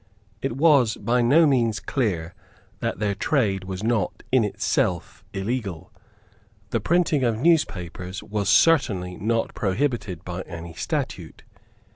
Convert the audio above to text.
It was by no means clear that their trade was not in itself illegal. The printing of newspapers was certainly not prohibited by any statute.